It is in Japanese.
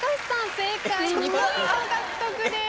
正解２ポイント獲得です。